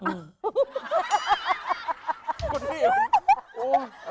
คุณพี่